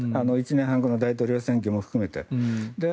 １年半後の大統領選挙も含めて。